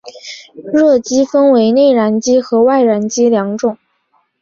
热机分为内燃机和外燃机两种。